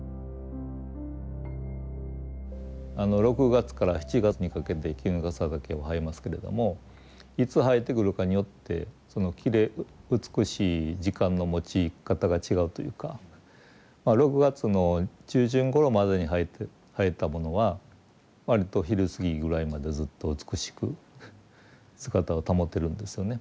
６月から７月にかけてキヌガサダケは生えますけれどもいつ生えてくるかによってその美しい時間のもち方が違うというかまあ６月の中旬ごろまでに生えたものは割と昼過ぎぐらいまでずっと美しく姿を保てるんですよね。